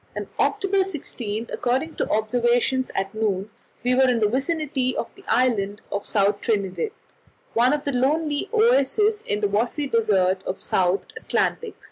On October 16, according to the observations at noon, we were in the vicinity of the island of South Trinidad, one of the lonely oases in the watery desert of the South Atlantic.